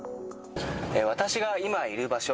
私が今いる場所